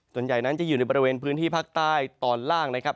ส่วนใหญ่นั้นจะอยู่ในบริเวณพื้นที่ภาคใต้ตอนล่างนะครับ